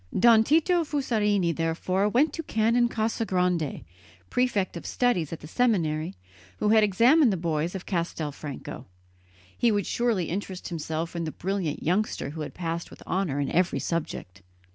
Don Tito Fusarini therefore went to Canon Casagrande, prefect of studies at the seminary, who had examined the boys of Castelfranco; he would surely interest himself in the brilliant youngster who had passed with honour in every subject.